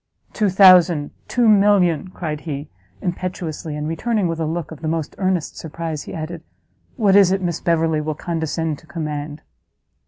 "Two thousand! two million!" cried he, impetuously, and returning, with a look of the most earnest surprise, he added, "What is it Miss Beverley will condescend to command?"